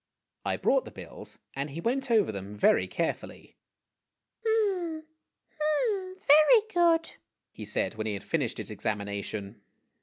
I brought the bills, and he went over them very carefully. " Hm hm very good!" he said, when he had finished his examination.